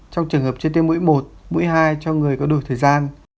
trong trường hợp chia tiêm mũi một mũi hai cho người có đủ thời gian